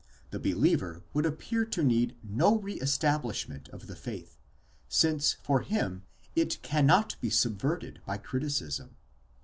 The believer would appear to need no re establishment of the faith, since for him it cannot be subverted by criticism.